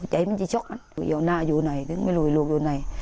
ใจมันจะช็อกอยู่เอาหน้าอยู่ไหนถึงไม่รู้ลูกอยู่ไหน